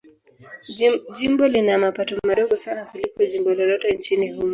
Jimbo lina mapato madogo sana kuliko jimbo lolote nchini humo.